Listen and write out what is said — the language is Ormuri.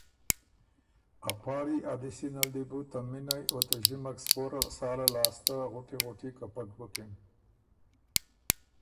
ا پاړی ا دِستي نل دی بُو ته مِنئ او ته ݫِمک سپوره ساله لاسته غُټی غُټی کپک بُکِن